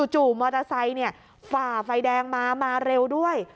จู่มอเตอร์ไซค์ฝ่าไฟแดงมามาเร็วด้วย